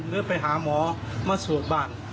ลื้อไปหาหมอมาสวดบ้าน